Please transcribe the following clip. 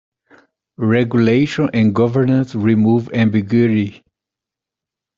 Regulation and governance removes ambiguity.